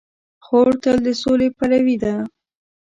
خور تل د سولې پلوي ده.